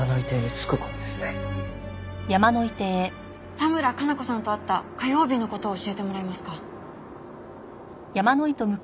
多村加奈子さんと会った火曜日の事を教えてもらえますか？